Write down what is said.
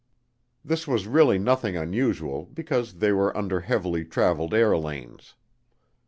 This was really nothing unusual because they were under heavily traveled air lanes.